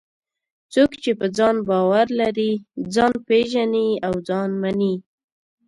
څوک چې په ځان باور لري، ځان پېژني او ځان مني.